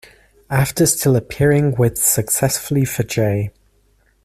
After still appearing with successfully for J.